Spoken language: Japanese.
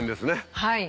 はい。